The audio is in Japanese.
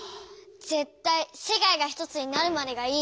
ぜったい「世界がひとつになるまで」がいい。